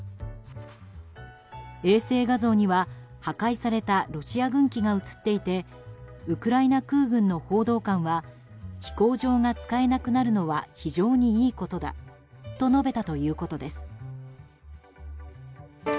衛星画像には、破壊されたロシア軍機が映っていてウクライナ空軍の報道官は飛行場が使えなくなるのは非常にいいことだと述べたということです。